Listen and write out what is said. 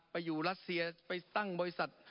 อยู่รัสเซียไปตั้งบริษัท